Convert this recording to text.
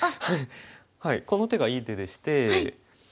はいこの手がいい手でして。